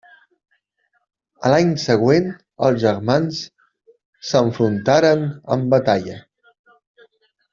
A l'any següent els germans s'enfrontaren en batalla.